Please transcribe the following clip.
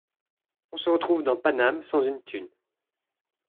On se retrouve dans Paname sans une thune.